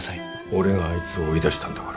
俺があいつを追い出したんだから。